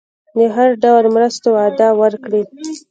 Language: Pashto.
د هر ډول مرستو وعده ورکړي.